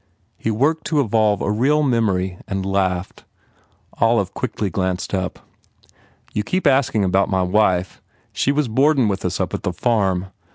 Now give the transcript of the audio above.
He worked to evolve a real memory and laughed. Olive quickly glanced up. "You keep asking about my wife. She was boardin with us at the farm.